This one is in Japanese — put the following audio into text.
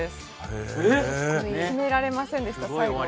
決められませんでした最後。